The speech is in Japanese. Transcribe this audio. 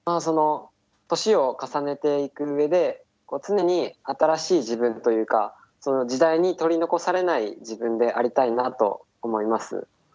その年を重ねていく上で常に新しい自分というか時代に取り残されない自分でありたいなと思います。